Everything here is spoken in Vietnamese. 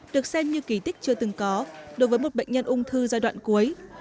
được xem như kỳ tích chưa từng có đối với một bệnh nhân ung thư giai đoạn cuối